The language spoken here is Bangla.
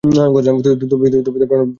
তবে প্রণালীটি যথেষ্ট গভীর।